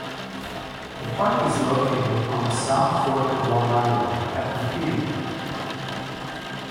The park is located on the South Fork of Long Island at Napeague.